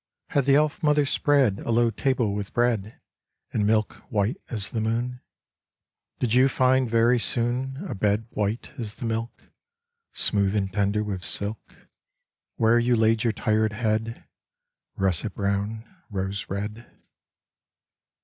Had the elf mother spread A low table with bread And milk white as the moon? Did you find very soon A bed white as the milk, Smooth and tender with silk, Where you laid your tired head, Russet brown, rose red?